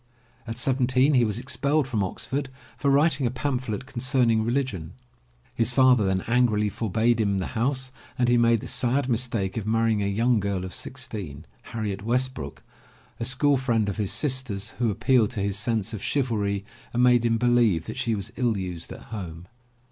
At seventeen he was expelled from Oxford for writing a pamphlet concerning reli gion. His father then angrily forbade him the house and he made the sad mistake of marrying a young girl of sixteen, Harriet Westbrook, a school friend of his sister's, who appealed to his sense of chivalry and made him believe that she was ill used at home.